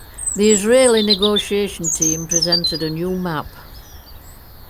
The Israeli negotiation team presented a new map.